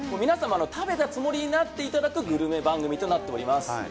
皆様食べたつもりになって頂くグルメ番組となっております。